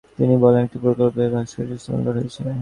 তিনি বলেন, একটি প্রকল্পের এ ভাস্কর্য স্থাপন করা হয়েছে।